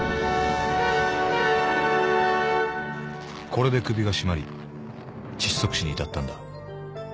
これで首が絞まり窒息死に至ったんだ。